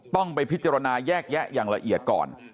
ต้องไปพิจารณาแยกแยะอย่างละเอียดก่อน